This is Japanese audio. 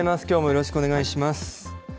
きょうもよろしくお願いします。